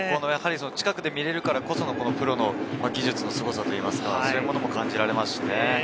近くで見れるからこそのプロの技術のすごさというか、そういうものも感じられますしね。